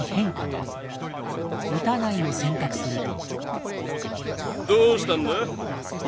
「撃たない」を選択すると。